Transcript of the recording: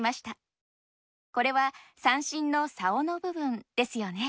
これは三線の棹の部分ですよね。